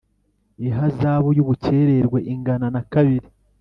ihazabu y’ ubukerererwe ingana na kabiri.